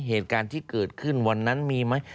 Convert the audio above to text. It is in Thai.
เหตุการณ์ที่เกิดขึ้นวันนั้นมีไหม